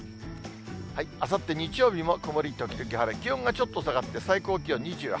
あさって日曜日も曇り時々晴れ、気温がちょっと下がって、最高気温２８度。